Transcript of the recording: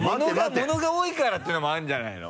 物が多いからっていうのもあるんじゃないの？